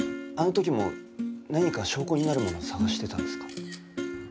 あの時も何か証拠になるものを探してたんですか？